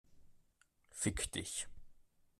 Fick dich!